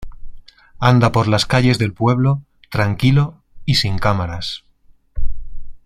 Anda por las calles del pueblo tranquilo y sin cámaras.